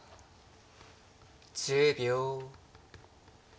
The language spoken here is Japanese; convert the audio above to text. １０秒。